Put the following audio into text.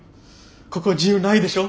ここ自由ないでしょ？